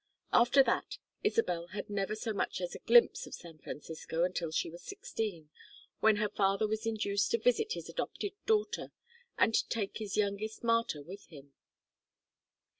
After that Isabel had never so much as a glimpse of San Francisco until she was sixteen, when her father was induced to visit his adopted daughter and take his youngest martyr with him.